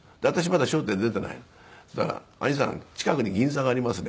だから「兄さん近くに銀座がありますね」